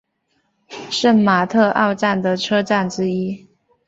圣马特奥站的车站之一。